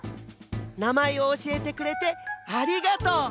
なまえをおしえてくれてありがとう！